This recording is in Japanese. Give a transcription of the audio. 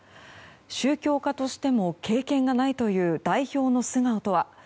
宗教家としても経験がないという代表の素顔とは。